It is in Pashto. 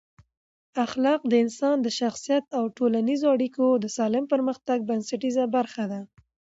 اخلاق د انسان د شخصیت او ټولنیزو اړیکو د سالم پرمختګ بنسټیزه برخه ده.